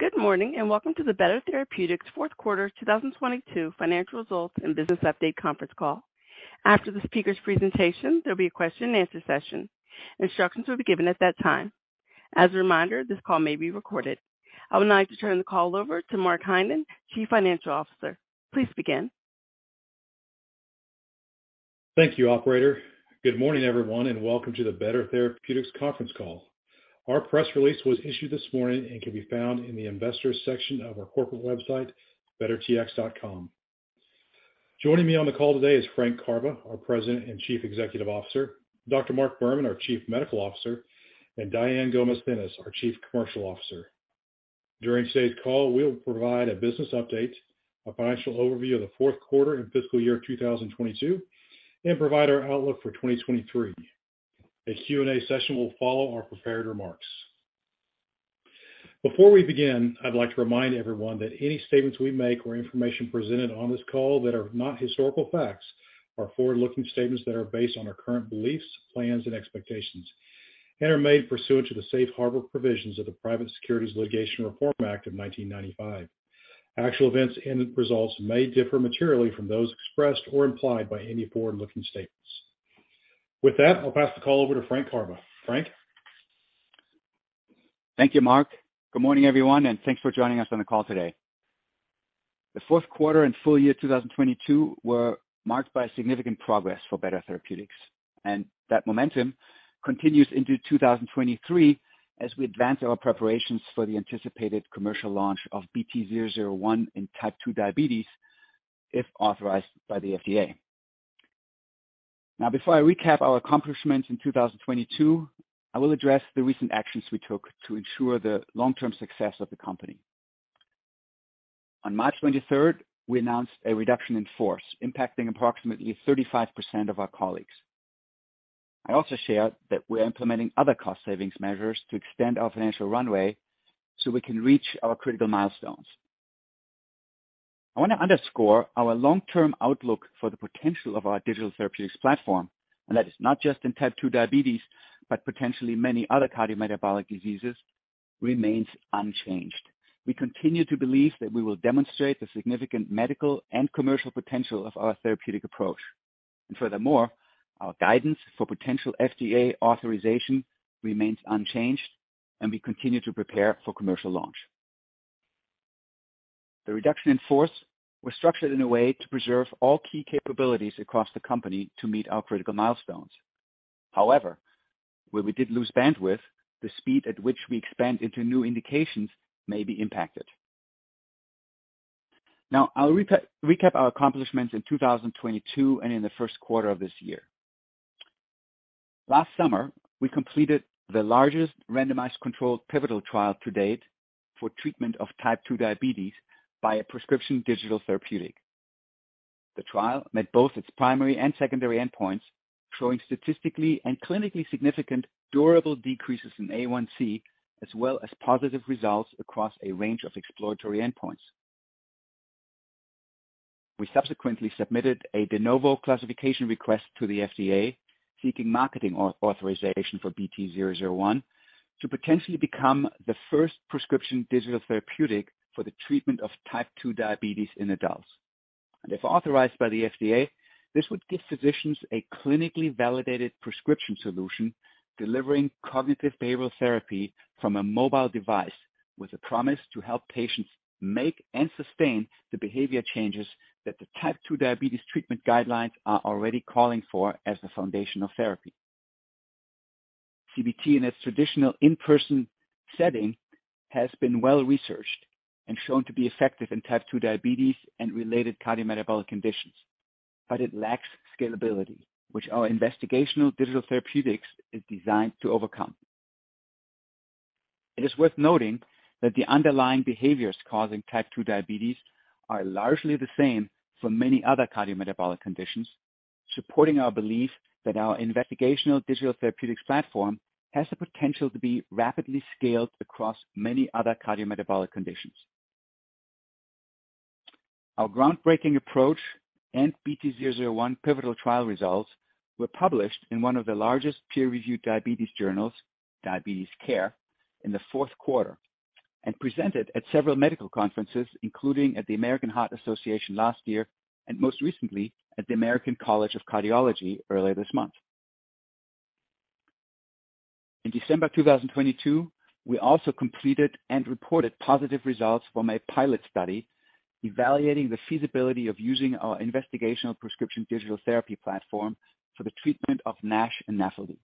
Good morning, welcome to the Better Therapeutics fourth quarter 2022 financial results and business update conference call. After the speaker's presentation, there'll be a question and answer session. Instructions will be given at that time. As a reminder, this call may be recorded. I would now like to turn the call over to Mark Hyman, Chief Financial Officer. Please begin. Thank you, operator. Good morning, everyone, and welcome to the Better Therapeutics conference call. Our press release was issued this morning and can be found in the investors section of our corporate website, bettertx.com. Joining me on the call today is Frank Karbe, our President and Chief Executive Officer, Dr. Mark Berman, our Chief Medical Officer, and Diane Gomez-Pina, our Chief Commercial Officer. During today's call, we'll provide a business update, a financial overview of the fourth quarter and fiscal year 2022, and provide our outlook for 2023. A Q&A session will follow our prepared remarks. Before we begin, I'd like to remind everyone that any statements we make or information presented on this call that are not historical facts are forward-looking statements that are based on our current beliefs, plans, and expectations and are made pursuant to the safe harbor provisions of the Private Securities Litigation Reform Act of 1995. Actual events and results may differ materially from those expressed or implied by any forward-looking statements. With that, I'll pass the call over to Frank Karbe. Frank. Thank you, Mark. Good morning, everyone, thanks for joining us on the call today. The fourth quarter and full year 2022 were marked by significant progress for Better Therapeutics, that momentum continues into 2023 as we advance our preparations for the anticipated commercial launch of BT-001 in type 2 diabetes if authorized by the FDA. Now, before I recap our accomplishments in 2022, I will address the recent actions we took to ensure the long-term success of the company. On March 23rd, we announced a reduction in force impacting approximately 35% of our colleagues. I also shared that we're implementing other cost savings measures to extend our financial runway so we can reach our critical milestones. I wanna underscore our long-term outlook for the potential of our digital therapeutics platform, and that is not just in type 2 diabetes, but potentially many other cardiometabolic diseases, remains unchanged. We continue to believe that we will demonstrate the significant medical and commercial potential of our therapeutic approach. Furthermore, our guidance for potential FDA authorization remains unchanged, and we continue to prepare for commercial launch. The reduction in force was structured in a way to preserve all key capabilities across the company to meet our critical milestones. However, where we did lose bandwidth, the speed at which we expand into new indications may be impacted. Now I'll recap our accomplishments in 2022 and in the first quarter of this year. Last summer, we completed the largest randomized controlled pivotal trial to date for treatment of type 2 diabetes by a prescription digital therapeutic. The trial met both its primary and secondary endpoints, showing statistically and clinically significant durable decreases in A1C, as well as positive results across a range of exploratory endpoints. We subsequently submitted a de novo classification request to the FDA, seeking marketing authorization for BT-001 to potentially become the first prescription digital therapeutic for the treatment of type 2 diabetes in adults. If authorized by the FDA, this would give physicians a clinically validated prescription solution, delivering cognitive behavioral therapy from a mobile device with a promise to help patients make and sustain the behavior changes that the type 2 diabetes treatment guidelines are already calling for as the foundational therapy. CBT in its traditional in-person setting has been well-researched and shown to be effective in type 2 diabetes and related cardiometabolic conditions, but it lacks scalability, which our investigational digital therapeutics is designed to overcome. It is worth noting that the underlying behaviors causing type 2 diabetes are largely the same for many other cardiometabolic conditions, supporting our belief that our investigational digital therapeutics platform has the potential to be rapidly scaled across many other cardiometabolic conditions. Our groundbreaking approach and BT-001 pivotal trial results were published in one of the largest peer-reviewed diabetes journals, Diabetes Care, in the fourth quarter and presented at several medical conferences, including at the American Heart Association last year and most recently at the American College of Cardiology earlier this month. In December 2022, we also completed and reported positive results from a pilot study evaluating the feasibility of using our investigational prescription digital therapy platform for the treatment of NASH and NAFLD.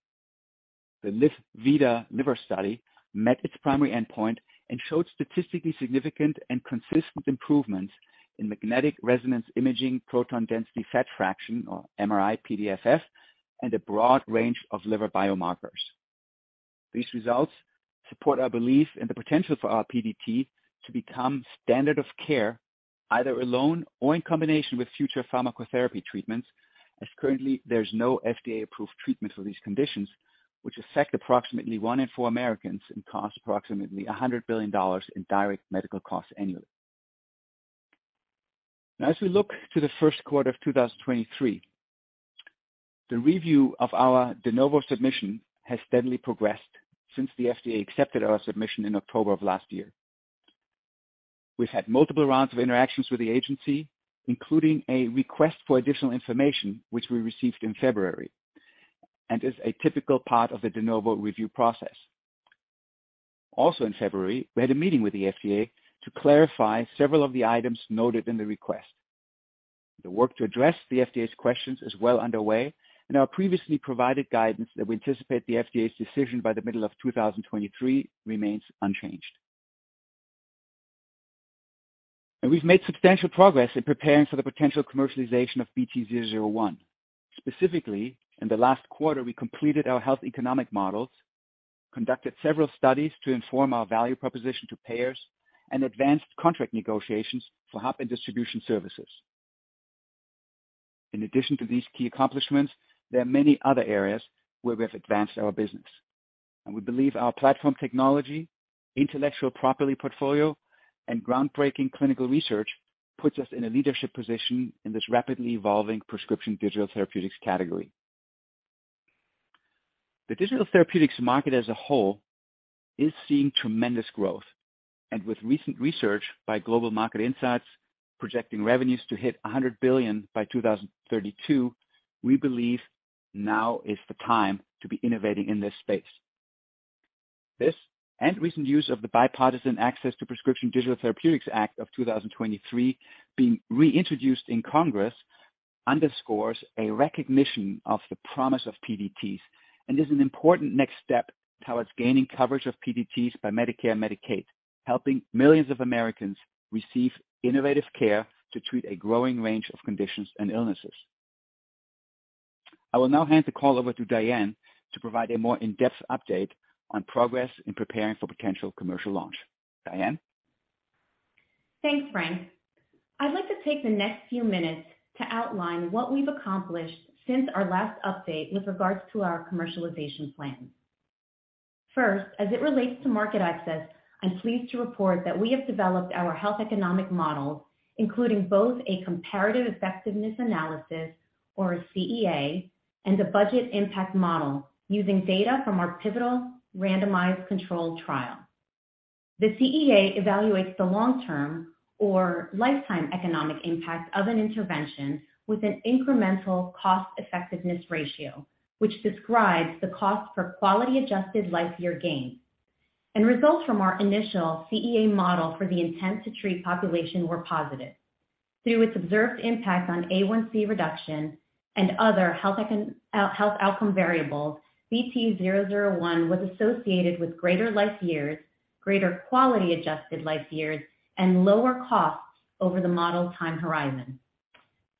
The LivVita liver study met its primary endpoint and showed statistically significant and consistent improvements in Magnetic Resonance Imaging Proton Density Fat Fraction, or MRI-PDFF, and a broad range of liver biomarkers. These results support our belief in the potential for our PDT to become standard of care either alone or in combination with future pharmacotherapy treatments, as currently there's no FDA approved treatment for these conditions, which affect approximately one in four Americans and cost approximately $100 billion in direct medical costs annually. As we look to the first quarter of 2023, the review of our de novo submission has steadily progressed since the FDA accepted our submission in October of last year. We've had multiple rounds of interactions with the agency, including a request for additional information, which we received in February, and is a typical part of the de novo review process. In February, we had a meeting with the FDA to clarify several of the items noted in the request. The work to address the FDA's questions is well underway, and our previously provided guidance that we anticipate the FDA's decision by the middle of 2023 remains unchanged. We've made substantial progress in preparing for the potential commercialization of BT-001. Specifically, in the last quarter, we completed our health economic models, conducted several studies to inform our value proposition to payers and advanced contract negotiations for hub and distribution services. In addition to these key accomplishments, there are many other areas where we have advanced our business. We believe our platform technology, intellectual property portfolio, and groundbreaking clinical research puts us in a leadership position in this rapidly evolving prescription digital therapeutics category. The digital therapeutics market as a whole is seeing tremendous growth. With recent research by Global Market Insights projecting revenues to hit $100 billion by 2032, we believe now is the time to be innovating in this space. This and recent use of the Bipartisan Access to Prescription Digital Therapeutics Act of 2023 being reintroduced in Congress underscores a recognition of the promise of PDTs and is an important next step towards gaining coverage of PDTs by Medicare, Medicaid, helping millions of Americans receive innovative care to treat a growing range of conditions and illnesses. I will now hand the call over to Diane to provide a more in-depth update on progress in preparing for potential commercial launch. Diane. Thanks, Frank. I'd like to take the next few minutes to outline what we've accomplished since our last update with regards to our commercialization plan. First, as it relates to market access, I'm pleased to report that we have developed our health economic model, including both a comparative effectiveness analysis or a CEA and a budget impact model using data from our pivotal randomized controlled trial. The CEA evaluates the long-term or lifetime economic impact of an intervention with an incremental cost-effectiveness ratio, which describes the cost per quality-adjusted life year gain. Results from our initial CEA model for the intention-to-treat population were positive. Through its observed impact on A1C reduction and other health outcome variables, BT-001 was associated with greater life years, greater quality-adjusted life years, and lower costs over the model time horizon.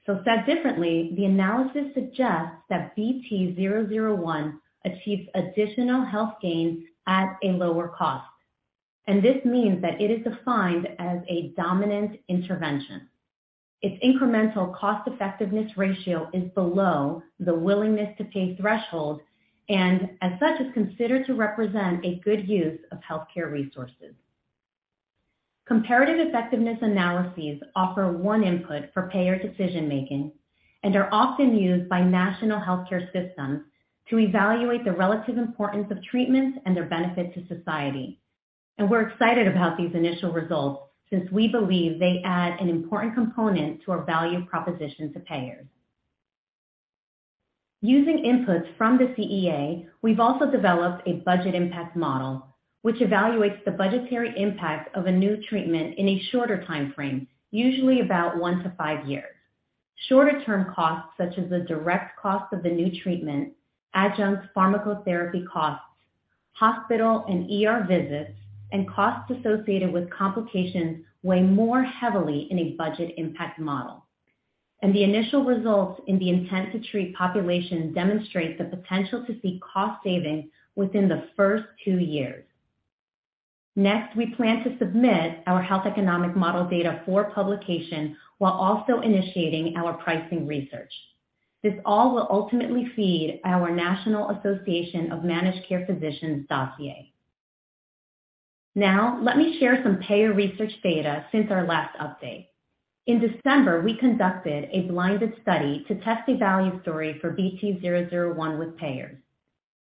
Said differently, the analysis suggests that BT-001 achieves additional health gains at a lower cost. This means that it is defined as a dominant intervention. Its incremental cost-effectiveness ratio is below the willingness to pay threshold and as such is considered to represent a good use of healthcare resources. Comparative effectiveness analyses offer one input for payer decision-making and are often used by national healthcare systems to evaluate the relative importance of treatments and their benefit to society. We're excited about these initial results since we believe they add an important component to our value proposition to payers. Using inputs from the CEA, we've also developed a budget impact model, which evaluates the budgetary impact of a new treatment in a shorter time frame, usually about one to five years. Shorter-term costs, such as the direct cost of the new treatment, adjunct pharmacotherapy costs, hospital and ER visits, and costs associated with complications weigh more heavily in a budget impact model. The initial results in the intention-to-treat population demonstrate the potential to see cost savings within the first two years. Next, we plan to submit our health economic model data for publication while also initiating our pricing research. This all will ultimately feed our National Association of Managed Care Physicians dossier. Now, let me share some payer research data since our last update. In December, we conducted a blinded study to test a value story for BT-001 with payers.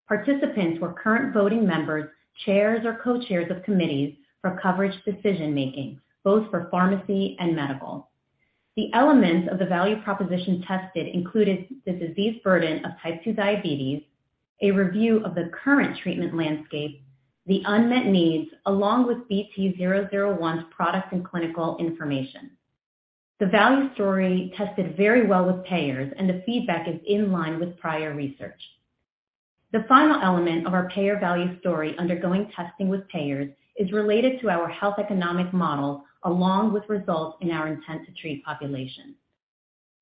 Participants were current voting members, chairs or co-chairs of committees for coverage decision-making, both for pharmacy and medical. The elements of the value proposition tested included the disease burden of type 2 diabetes, a review of the current treatment landscape, the unmet needs, along with BT-001's product and clinical information. The value story tested very well with payers. The feedback is in line with prior research. The final element of our payer value story undergoing testing with payers is related to our health economic model along with results in our intention-to-treat population.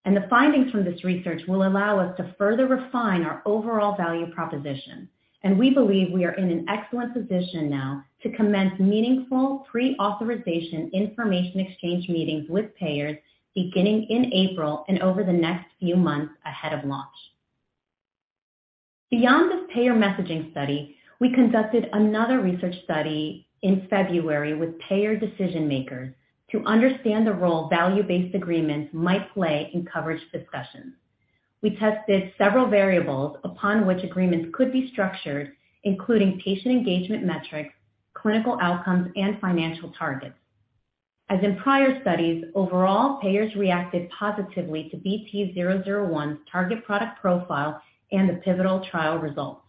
The findings from this research will allow us to further refine our overall value proposition, and we believe we are in an excellent position now to commence meaningful pre-authorization information exchange meetings with payers beginning in April and over the next few months ahead of launch. Beyond this payer messaging study, we conducted another research study in February with payer decision-makers to understand the role value-based agreements might play in coverage discussions. We tested several variables upon which agreements could be structured, including patient engagement metrics, clinical outcomes, and financial targets. As in prior studies, overall, payers reacted positively to BT-001's target product profile and the pivotal trial results.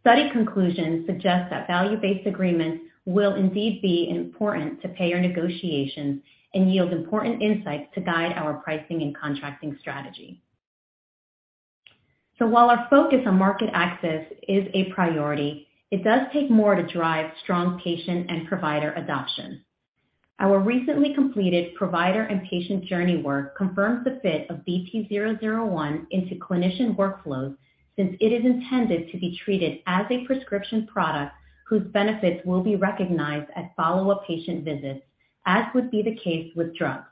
Study conclusions suggest that value-based agreements will indeed be important to payer negotiations and yield important insights to guide our pricing and contracting strategy. While our focus on market access is a priority, it does take more to drive strong patient and provider adoption. Our recently completed provider and patient journey work confirms the fit of BT-001 into clinician workflows, since it is intended to be treated as a prescription product whose benefits will be recognized at follow-up patient visits, as would be the case with drugs.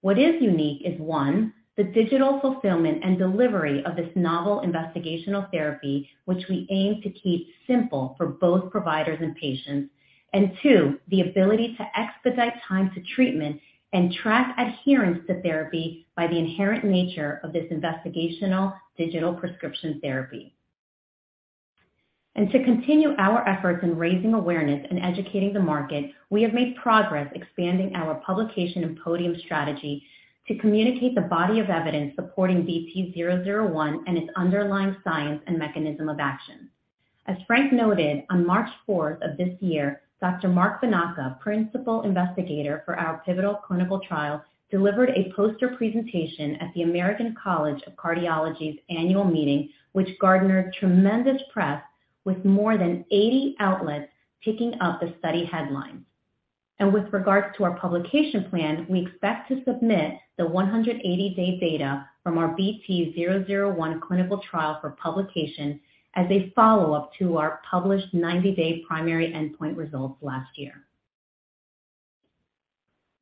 What is unique is, one, the digital fulfillment and delivery of this novel investigational therapy, which we aim to keep simple for both providers and patients, and two, the ability to expedite time to treatment and track adherence to therapy by the inherent nature of this investigational digital prescription therapy. To continue our efforts in raising awareness and educating the market, we have made progress expanding our publication and podium strategy to communicate the body of evidence supporting BT-001 and its underlying science and mechanism of action. As Frank noted, on March 4th of this year, Dr. Marc Bonaca, principal investigator for our pivotal clinical trial, delivered a poster presentation at the American College of Cardiology's annual meeting, which garnered tremendous press with more than 80 outlets picking up the study headlines. With regards to our publication plan, we expect to submit the 180-day data from our BT-001 clinical trial for publication as a follow-up to our published 90-day primary endpoint results last year.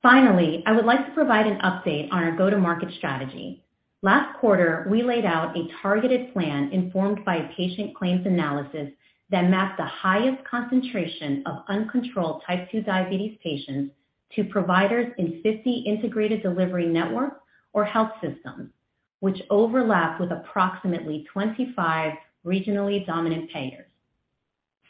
Finally, I would like to provide an update on our go-to-market strategy. Last quarter, we laid out a targeted plan informed by a patient claims analysis that mapped the highest concentration of uncontrolled type 2 diabetes patients to providers in 50 integrated delivery networks or health systems, which overlap with approximately 25 regionally dominant payers.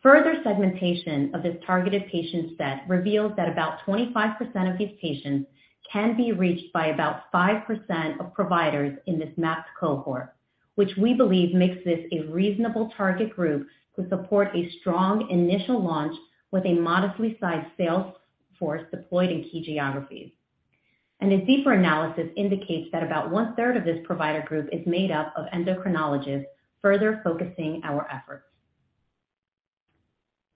Further segmentation of this targeted patient set reveals that about 25% of these patients can be reached by about 5% of providers in this mapped cohort, which we believe makes this a reasonable target group to support a strong initial launch with a modestly sized sales force deployed in key geographies. A deeper analysis indicates that about one-third of this provider group is made up of endocrinologists, further focusing our efforts.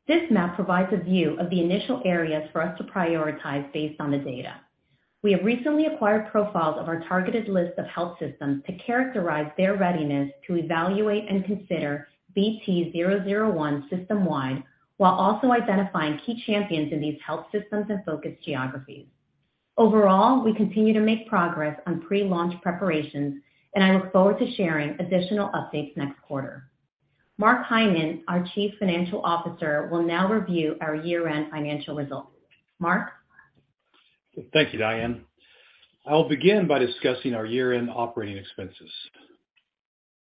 This map provides a view of the initial areas for us to prioritize based on the data. We have recently acquired profiles of our targeted list of health systems to characterize their readiness to evaluate and consider BT-001 system-wide, while also identifying key champions in these health systems and focus geographies. Overall, we continue to make progress on pre-launch preparations, and I look forward to sharing additional updates next quarter. Mark Hyman, our Chief Financial Officer, will now review our year-end financial results. Mark? Thank you, Diane. I'll begin by discussing our year-end operating expenses.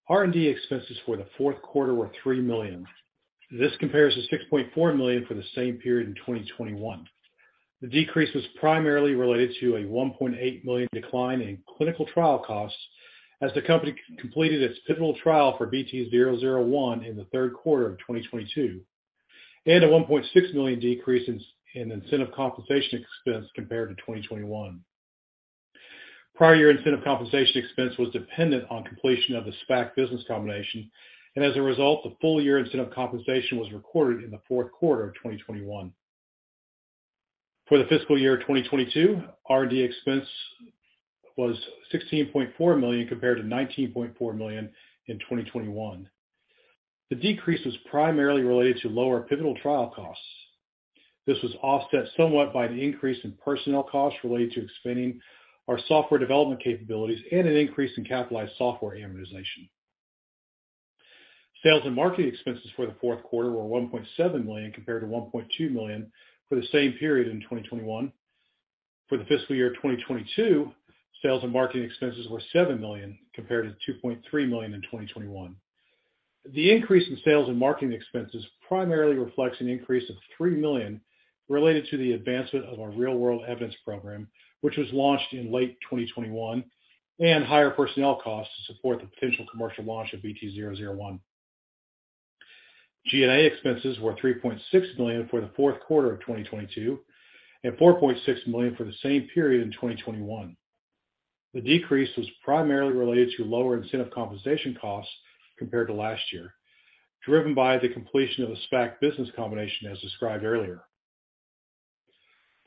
R&D expenses for the fourth quarter were $3 million. This compares to $6.4 million for the same period in 2021. The decrease was primarily related to a $1.8 million decline in clinical trial costs as the company completed its pivotal trial for BT-001 in the third quarter of 2022, and a $1.6 million decrease in incentive compensation expense compared to 2021. Prior year incentive compensation expense was dependent on completion of the SPAC business combination. As a result, the full year incentive compensation was recorded in the fourth quarter of 2021. For the fiscal year 2022, R&D expense was $16.4 million compared to $19.4 million in 2021. The decrease was primarily related to lower pivotal trial costs. This was offset somewhat by the increase in personnel costs related to expanding our software development capabilities and an increase in capitalized software amortization. Sales and marketing expenses for the fourth quarter were $1.7 million compared to $1.2 million for the same period in 2021. For the fiscal year 2022, sales and marketing expenses were $7 million compared to $2.3 million in 2021. The increase in sales and marketing expenses primarily reflects an increase of $3 million related to the advancement of our real-world evidence program, which was launched in late 2021, and higher personnel costs to support the potential commercial launch of BT-001. G&A expenses were $3.6 million for the fourth quarter of 2022 and $4.6 million for the same period in 2021. The decrease was primarily related to lower incentive compensation costs compared to last year, driven by the completion of the SPAC business combination as described earlier.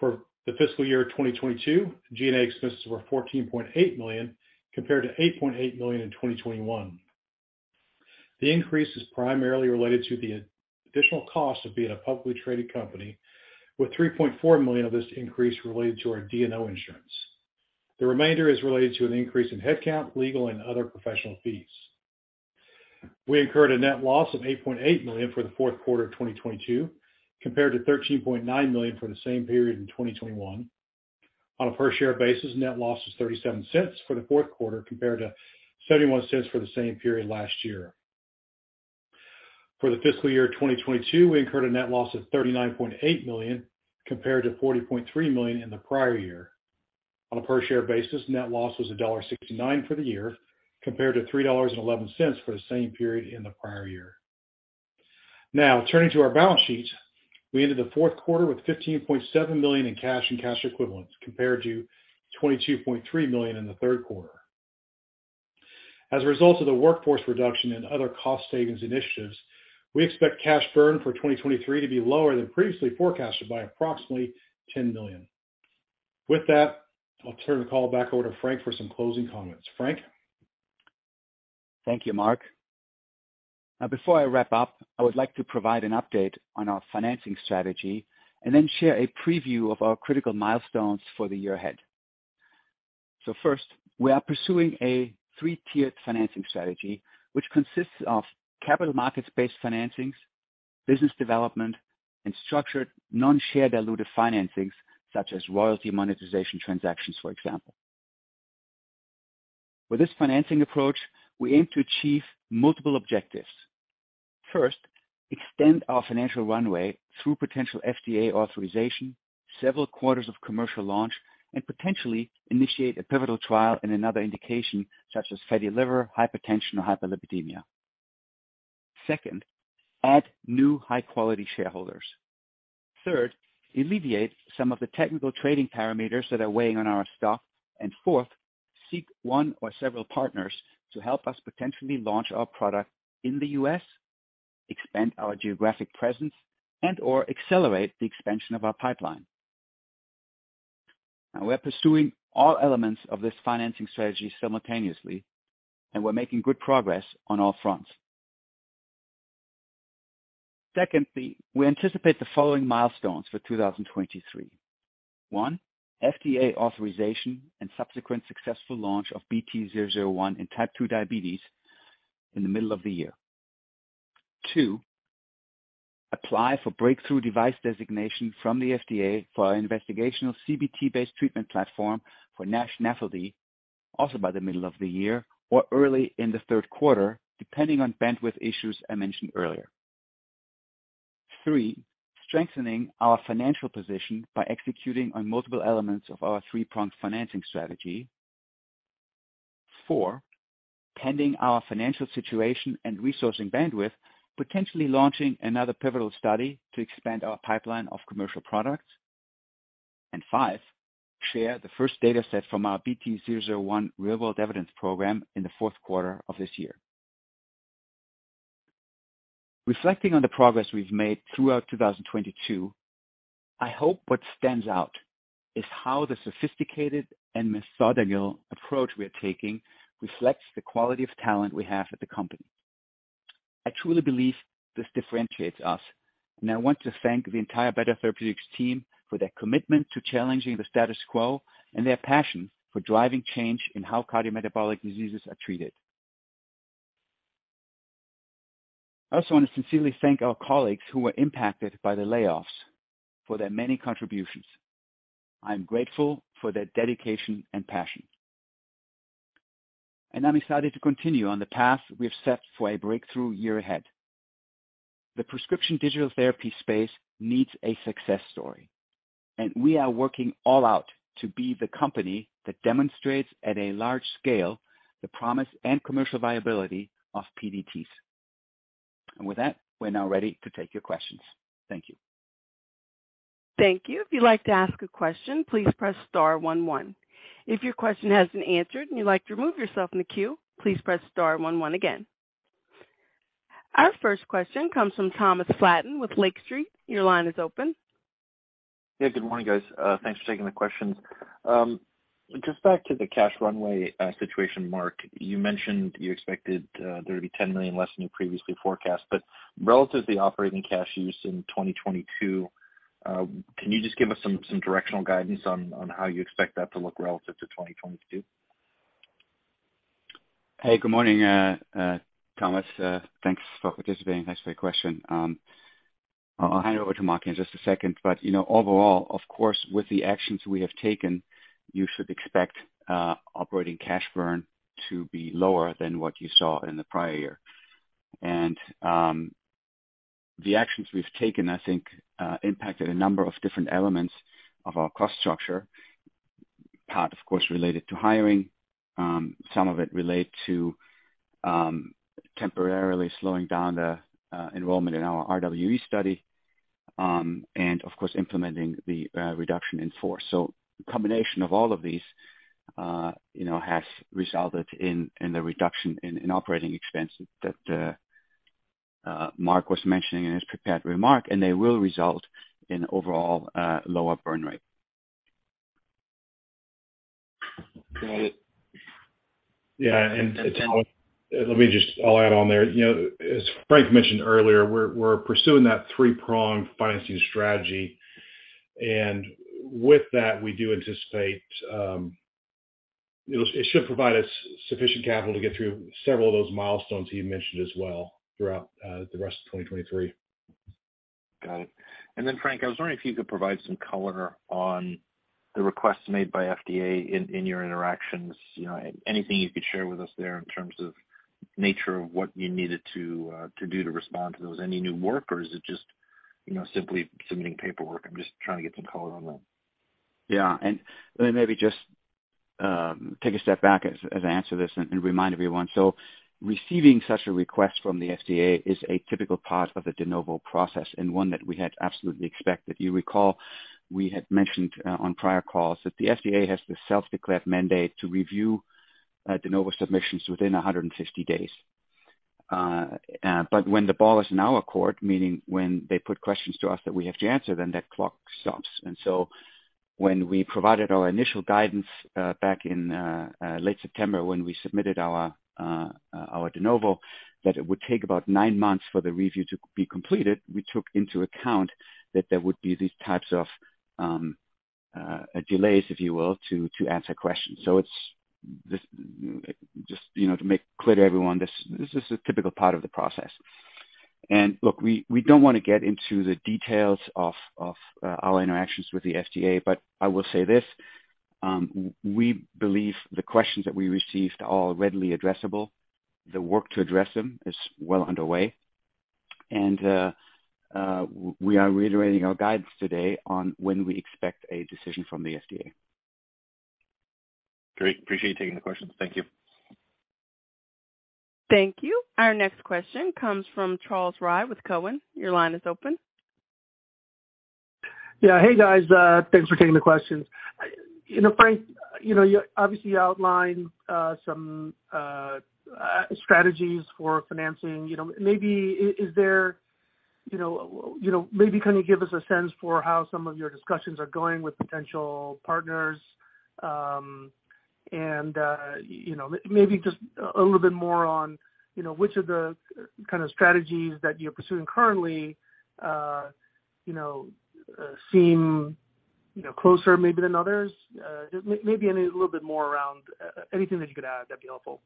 For the fiscal year 2022, G&A expenses were $14.8 million compared to $8.8 million in 2021. The increase is primarily related to the additional cost of being a publicly traded company with $3.4 million of this increase related to our D&O insurance. The remainder is related to an increase in headcount, legal, and other professional fees. We incurred a net loss of $8.8 million for the fourth quarter of 2022, compared to $13.9 million for the same period in 2021. On a per-share basis, net loss was $0.37 for the fourth quarter, compared to $0.71 for the same period last year. For the fiscal year of 2022, we incurred a net loss of $39.8 million, compared to $40.3 million in the prior year. On a per-share basis, net loss was $1.69 for the year, compared to $3.11 for the same period in the prior year. Turning to our balance sheet. We ended the fourth quarter with $15.7 million in cash and cash equivalents, compared to $22.3 million in the third quarter. As a result of the workforce reduction and other cost savings initiatives, we expect cash burn for 2023 to be lower than previously forecasted by approximately $10 million. With that, I'll turn the call back over to Frank for some closing comments. Frank. Thank you, Mark. Before I wrap up, I would like to provide an update on our financing strategy and then share a preview of our critical milestones for the year ahead. First, we are pursuing a three-tiered financing strategy, which consists of capital markets-based financings, business development, and structured non-share diluted financings such as royalty monetization transactions, for example. With this financing approach, we aim to achieve multiple objectives. First, extend our financial runway through potential FDA authorization, several quarters of commercial launch, and potentially initiate a pivotal trial in another indication, such as fatty liver, hypertension or hyperlipidemia. Second, add new high-quality shareholders. Third, alleviate some of the technical trading parameters that are weighing on our stock. Fourth, seek 1 or several partners to help us potentially launch our product in the U.S., expand our geographic presence, and or accelerate the expansion of our pipeline. We're pursuing all elements of this financing strategy simultaneously, and we're making good progress on all fronts. Secondly, we anticipate the following milestones for 2023. One, FDA authorization and subsequent successful launch of BT-001 in type 2 diabetes in the middle of the year. Two, apply for Breakthrough Device Designation from the FDA for our investigational CBT-based treatment platform for NASH NAFLD also by the middle of the year or early in the third quarter, depending on bandwidth issues I mentioned earlier. Three, strengthening our financial position by executing on multiple elements of our three-pronged financing strategy. Four, pending our financial situation and resourcing bandwidth, potentially launching another pivotal study to expand our pipeline of commercial products. Five, share the first data set from our BT-001 real-world evidence program in the fourth quarter of this year. Reflecting on the progress we've made throughout 2022, I hope what stands out is how the sophisticated and methodical approach we are taking reflects the quality of talent we have at the company. I truly believe this differentiates us, and I want to thank the entire Better Therapeutics team for their commitment to challenging the status quo and their passion for driving change in how cardiometabolic diseases are treated. I also want to sincerely thank our colleagues who were impacted by the layoffs for their many contributions. I am grateful for their dedication and passion. I'm excited to continue on the path we have set for a breakthrough year ahead. The prescription digital therapy space needs a success story, and we are working all out to be the company that demonstrates at a large scale the promise and commercial viability of PDTs. With that, we're now ready to take your questions. Thank you. Thank you. If you'd like to ask a question, please press star one, one. If your question has been answered and you'd like to remove yourself from the queue, please press star one, one again. Our first question comes from Thomas Flaten with Lake Street. Your line is open. Yeah, good morning, guys. Thanks for taking the questions. Just back to the cash runway situation, Mark, you mentioned you expected there to be $10 million less than you previously forecast, but relative to the operating cash use in 2022, can you just give us some directional guidance on how you expect that to look relative to 2022? Hey, good morning, Thomas. Thanks for participating. Thanks for your question. I'll hand over to Mark in just a second, but, you know, overall, of course, with the actions we have taken, you should expect operating cash burn to be lower than what you saw in the prior year. The actions we've taken, I think, impacted a number of different elements of our cost structure. Part of course, related to hiring. Some of it relate to temporarily slowing down the enrollment in our RWE study, and of course, implementing the reduction in force. The combination of all of these, you know, has resulted in the reduction in operating expenses that Mark was mentioning in his prepared remark, and they will result in overall lower burn rate. Great. Yeah, let me just add on there. You know, as Frank mentioned earlier, we're pursuing that three-pronged financing strategy. With that, we do anticipate it should provide us sufficient capital to get through several of those milestones he mentioned as well throughout the rest of 2023. Got it. Frank, I was wondering if you could provide some color on the requests made by FDA in your interactions. You know, anything you could share with us there in terms of nature of what you needed to do to respond to those? Any new work or is it just, you know, simply submitting paperwork? I'm just trying to get some color on that. Yeah. Let me maybe just take a step back as I answer this and remind everyone. Receiving such a request from the FDA is a typical part of the de novo process and one that we had absolutely expected. You recall we had mentioned on prior calls that the FDA has the self-declared mandate to review de novo submissions within 150 days. When the ball is in our court, meaning when they put questions to us that we have to answer, then that clock stops. When we provided our initial guidance, back in late September when we submitted our de novo, that it would take about nine months for the review to be completed, we took into account that there would be these types of delays, if you will, to answer questions. It's just, you know, to make clear to everyone, this is a typical part of the process. Look, we don't wanna get into the details of our interactions with the FDA, but I will say this. We believe the questions that we received are readily addressable. The work to address them is well underway. We are reiterating our guidance today on when we expect a decision from the FDA. Great. Appreciate you taking the questions. Thank you. Thank you. Our next question comes from Charles Rhyee with Cowen. Your line is open. Yeah. Hey, guys, thanks for taking the questions. You know, Frank Karbe, you know, you obviously outlined some strategies for financing. You know, maybe is there, you know, you know, maybe can you give us a sense for how some of your discussions are going with potential partners? You know, maybe just a little bit more on, you know, which of the kind of strategies that you're pursuing currently, you know, seem, you know, closer maybe than others. Maybe a little bit more around anything that you could add that'd be helpful.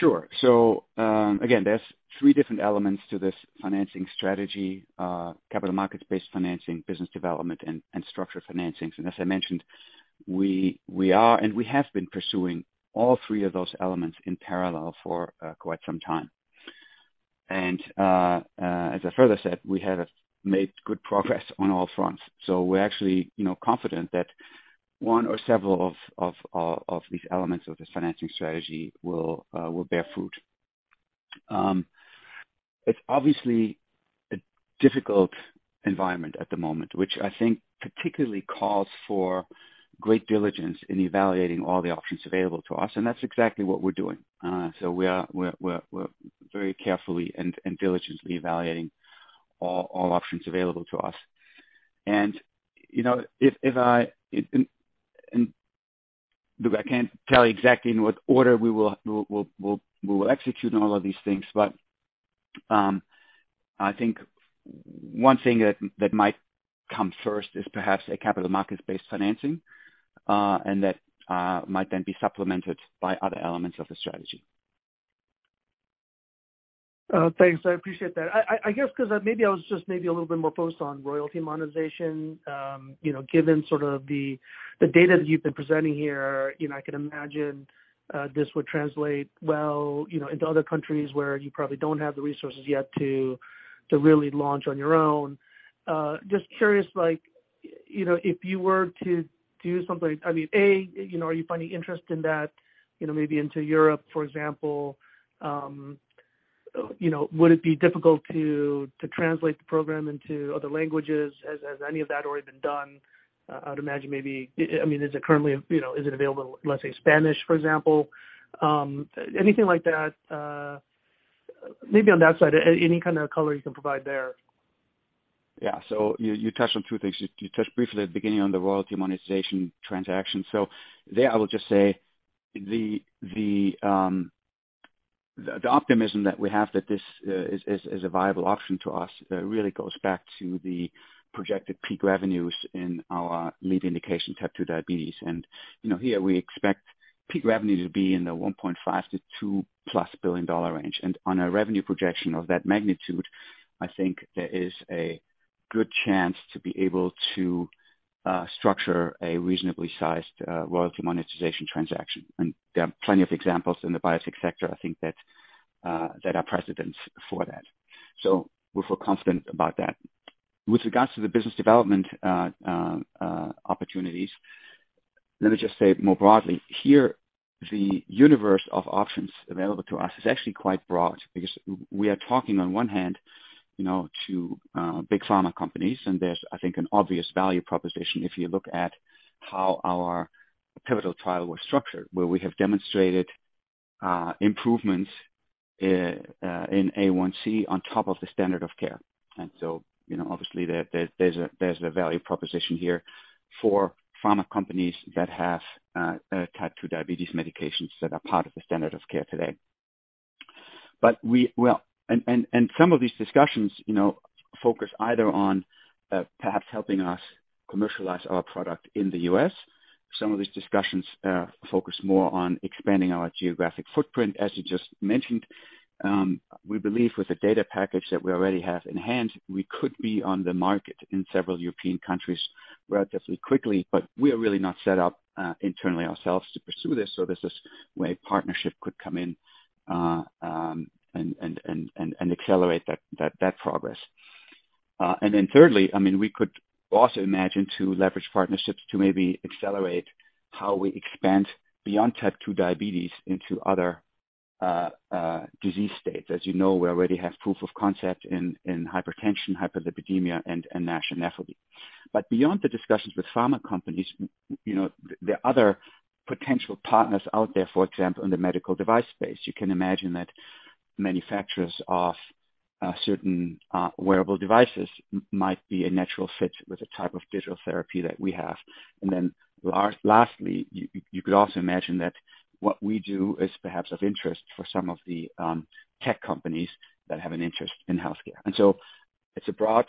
Sure. Again, there's three different elements to this financing strategy. Capital markets-based financing, business development and structured financings. As I mentioned, we are, and we have been pursuing all three of those elements in parallel for quite some time. As I further said, we have made good progress on all fronts. We're actually, you know, confident that one or several of these elements of this financing strategy will bear fruit. It's obviously a difficult environment at the moment, which I think particularly calls for great diligence in evaluating all the options available to us, and that's exactly what we're doing. We are very carefully and diligently evaluating all options available to us. You know, Look, I can't tell you exactly in what order we will execute on all of these things. I think one thing that might come first is perhaps a capital markets-based financing, and that might then be supplemented by other elements of the strategy. Thanks. I appreciate that. I guess 'cause maybe I was just maybe a little bit more focused on royalty monetization. You know, given sort of the data that you've been presenting here, you know, I can imagine this would translate well, you know, into other countries where you probably don't have the resources yet to really launch on your own. Just curious, like, you know, if you were to do something. I mean, A, you know, are you finding interest in that, you know, maybe into Europe, for example? You know, would it be difficult to translate the program into other languages? Has any of that already been done? I would imagine maybe. I mean, is it currently, you know, is it available, let's say, Spanish, for example? Anything like that, maybe on that side, any kind of color you can provide there? Yeah. You touched on two things. You touched briefly at the beginning on the royalty monetization transaction. There I will just say the optimism that we have that this is a viable option to us really goes back to the projected peak revenues in our lead indication, type 2 diabetes. You know, here we expect peak revenue to be in the $1.5 billion-$2+ billion range. On a revenue projection of that magnitude, I think there is a good chance to be able to structure a reasonably sized royalty monetization transaction. There are plenty of examples in the biotech sector, I think that are precedents for that. We feel confident about that. With regards to the business development opportunities, let me just say more broadly. Here, the universe of options available to us is actually quite broad because we are talking on one hand, you know, to big pharma companies, and there's, I think, an obvious value proposition if you look at how our pivotal trial was structured, where we have demonstrated improvements in A1C on top of the standard of care. You know, obviously there's, there's a, there's a value proposition here for pharma companies that have type 2 diabetes medications that are part of the standard of care today. Well, and some of these discussions, you know, focus either on perhaps helping us commercialize our product in the U.S. Some of these discussions focus more on expanding our geographic footprint, as you just mentioned. We believe with the data package that we already have in hand, we could be on the market in several European countries relatively quickly, but we are really not set up internally ourselves to pursue this. This is where a partnership could come in and accelerate that progress. Thirdly, I mean, we could also imagine to leverage partnerships to maybe accelerate how we expand beyond type 2 diabetes into other disease states. As you know, we already have proof of concept in hypertension, hyperlipidemia and NASH and NAFLD. Beyond the discussions with pharma companies, you know, there are other potential partners out there, for example, in the medical device space. You can imagine that manufacturers of certain wearable devices might be a natural fit with the type of digital therapy that we have. Lastly, you could also imagine that what we do is perhaps of interest for some of the tech companies that have an interest in healthcare. It's a broad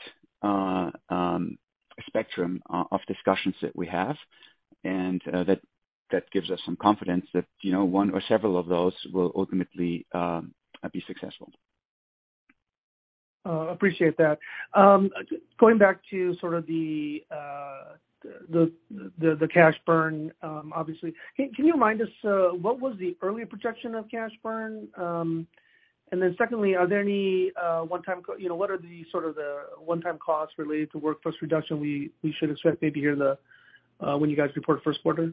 spectrum of discussions that we have, and that gives us some confidence that, you know, one or several of those will ultimately be successful. Appreciate that. Going back to sort of the cash burn, obviously. Can you remind us what was the earlier projection of cash burn? Secondly, are there any one time You know, what are the sort of the one time costs related to workforce reduction we should expect maybe here in the when you guys report first quarter?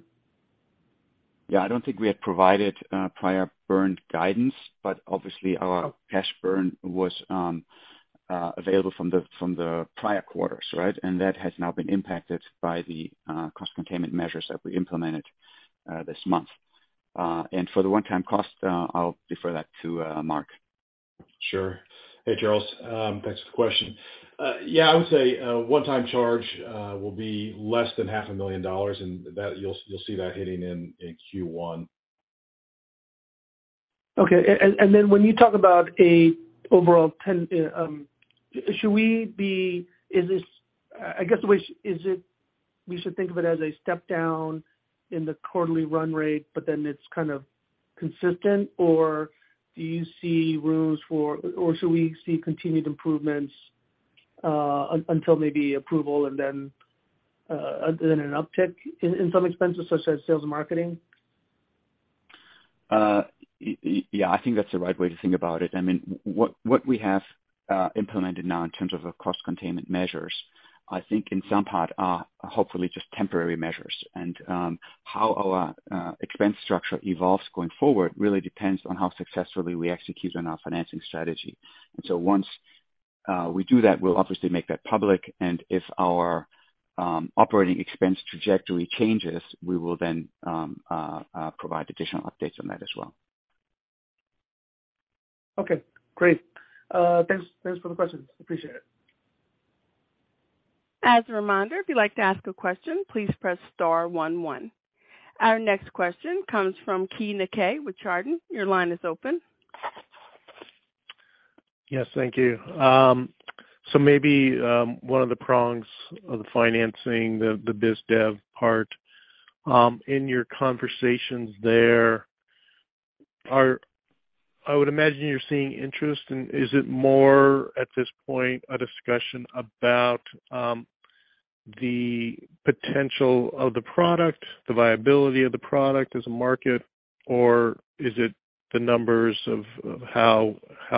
Yeah, I don't think we had provided prior burn guidance, but obviously our cash burn was available from the, from the prior quarters, right? That has now been impacted by the cost containment measures that we implemented this month. For the one time cost, I'll defer that to Mark. Sure. Hey, Charles, thanks for the question. Yeah, I would say, one time charge, will be less than half a million dollars. You'll see that hitting in Q1. Okay. When you talk about overall ten, is this, I guess the way we should think of it as a step down in the quarterly run rate, but then it's kind of consistent? Do you see rooms for, or should we see continued improvements until maybe approval and then an uptick in some expenses such as sales and marketing? Yeah, I think that's the right way to think about it. I mean, what we have implemented now in terms of cost containment measures, I think in some part are hopefully just temporary measures. How our expense structure evolves going forward really depends on how successfully we execute on our financing strategy. Once we do that, we'll obviously make that public. If our operating expense trajectory changes, we will then provide additional updates on that as well. Okay, great. Thanks for the questions. Appreciate it. As a reminder, if you'd like to ask a question, please press star one one. Our next question comes from Keay Nakae with Chardan. Your line is open. Yes, thank you. Maybe, one of the prongs of the financing the biz dev part, I would imagine you're seeing interest. Is it more at this point a discussion about the potential of the product, the viability of the product as a market, or is it the numbers of how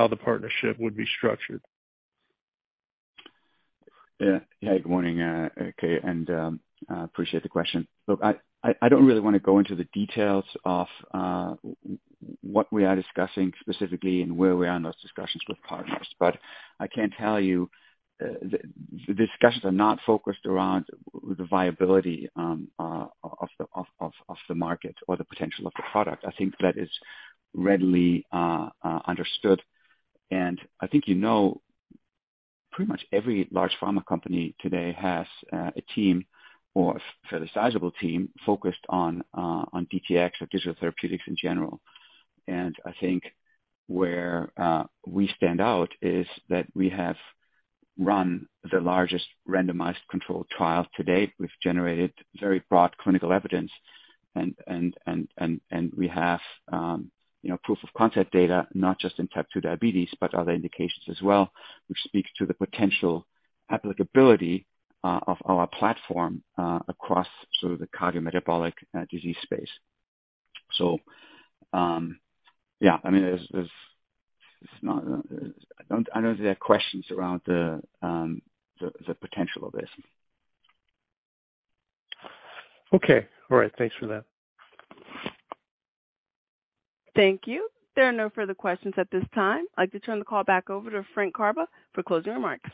the partnership would be structured? Yeah. Good morning, Keay, I appreciate the question. Look, I don't really wanna go into the details of what we are discussing specifically and where we are in those discussions with partners. I can tell you, the discussions are not focused around the viability of the market or the potential of the product. I think that is readily understood. I think, you know, pretty much every large pharma company today has a team or a fairly sizable team focused on DTx or digital therapeutics in general. I think where we stand out is that we have run the largest randomized controlled trial to date. We've generated very broad clinical evidence and we have, you know, proof of concept data, not just in type 2 diabetes, but other indications as well, which speak to the potential applicability of our platform across sort of the cardiometabolic disease space. Yeah, I mean, there's not, I don't think there are questions around the potential of this. Okay. All right. Thanks for that. Thank you. There are no further questions at this time. I'd like to turn the call back over to Frank Karbe for closing remarks.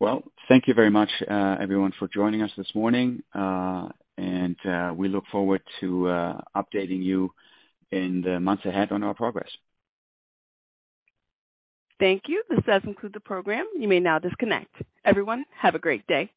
Well, thank you very much, everyone, for joining us this morning. We look forward to updating you in the months ahead on our progress. Thank you. This does conclude the program. You may now disconnect. Everyone, have a great day.